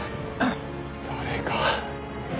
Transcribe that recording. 誰か。